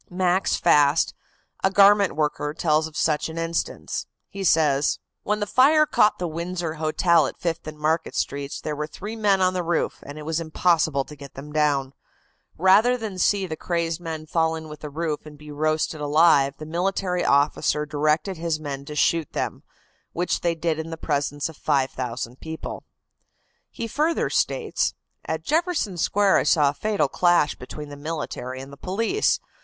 Max Fast, a garment worker, tells of such an instance. He says: "When the fire caught the Windsor Hotel at Fifth and Market Streets there were three men on the roof, and it was impossible to get them down. Rather than see the crazed men fall in with the roof and be roasted alive the military officer directed his men to shoot them, which they did in the presence of 5,000 people." He further states: "At Jefferson Square I saw a fatal clash between the military and the police.